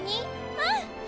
うん！